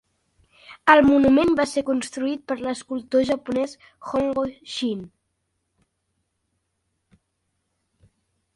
El monument va ser construït per l'escultor japonès Hongo Shin.